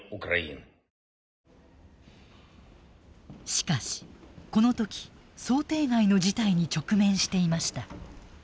しかしこの時想定外の事態に直面していました。